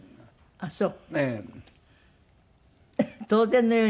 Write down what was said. ああそう。